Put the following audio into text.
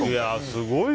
すごい。